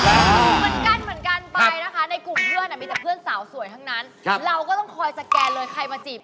เราก็ต้องคอยสแกนเลยใครมาจีบ